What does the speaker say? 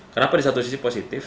kenapa di satu sisi positif